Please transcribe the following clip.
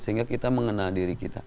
sehingga kita mengenal diri kita